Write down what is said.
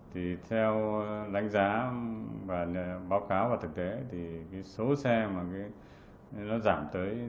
theo đánh giá và báo cáo và thực tế số xe giảm tới tám mươi